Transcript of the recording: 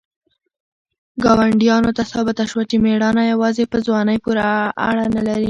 ګاونډیانو ته ثابته شوه چې مېړانه یوازې په ځوانۍ پورې اړه نه لري.